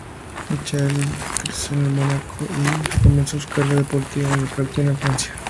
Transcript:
Michael creció en Mónaco, y comenzó su carrera deportiva en el karting en Francia.